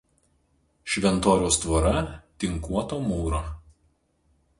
Šventoriaus tvora tinkuoto mūro.